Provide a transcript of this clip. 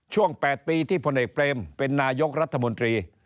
๘ปีที่พลเอกเปรมเป็นนายกรัฐมนตรี